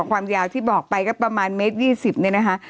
ความยาวที่บอกไปก็ประมาณเมตร๒๐เนี่ยนะคะ